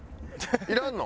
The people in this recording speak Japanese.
いらんの？